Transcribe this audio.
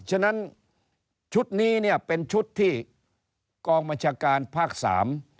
ฉะนั้นชุดนี้เนี่ยเป็นชุดที่กองบัญชาการภาคสาม